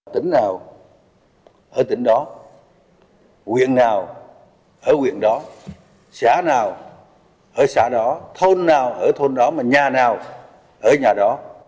tỉnh nào ở tỉnh đó quyền nào ở quyền đó xã nào ở xã đó thôn nào ở thôn đó mà nhà nào ở nhà đó